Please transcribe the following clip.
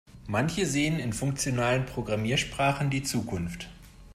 Manche sehen in funktionalen Programmiersprachen die Zukunft.